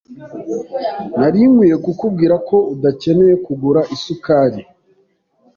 Nari nkwiye kukubwira ko udakeneye kugura isukari.